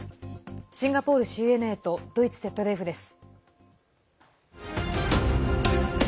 シンガポールＣＮＡとドイツＺＤＦです。